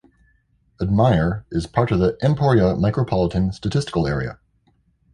Admire is part of the Emporia Micropolitan Statistical Area.